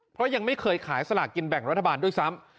เพราะยังไม่เคยขายสลากกินแบ่งรัฐบาลด้วยซ้ำ